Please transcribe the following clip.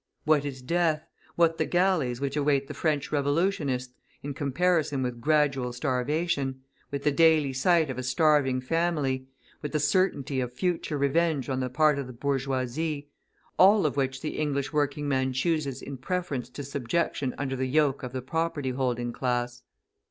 What is death, what the galleys which await the French revolutionist, in comparison with gradual starvation, with the daily sight of a starving family, with the certainty of future revenge on the part of the bourgeoisie, all of which the English working man chooses in preference to subjection under the yoke of the property holding class?